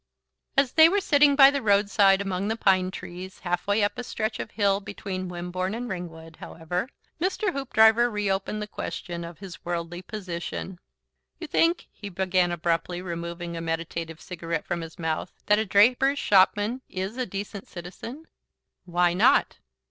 As they were sitting by the roadside among the pine trees half way up a stretch of hill between Wimborne and Ringwood, however, Mr. Hoopdriver reopened the question of his worldly position. "Ju think," he began abruptly, removing a meditative cigarette from his mouth, "that a draper's shopman IS a decent citizen?" "Why not?"